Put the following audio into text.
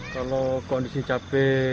kalau kondisi cabai